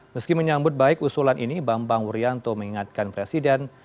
meski menyambut baik usulan ini bambang wuryanto mengingatkan presiden